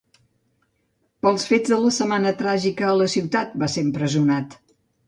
Pels fets de la setmana tràgica a la ciutat, va ser empresonat.